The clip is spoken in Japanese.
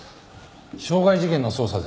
傷害事件の捜査です。